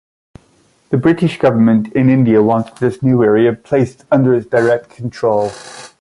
The British government in India wanted this new area placed under its direct control.